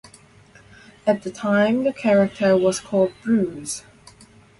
At the time, the character was called "Bruce".